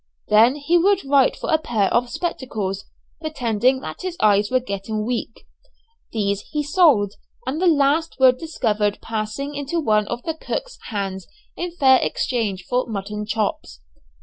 Then he would write for a pair of spectacles, pretending that his eyes were getting weak. These he sold, and the last were discovered passing into one of the cooks' hands in fair exchange for mutton chops.